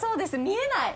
見えない！